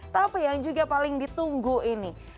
tapi yang juga paling ditunggu ini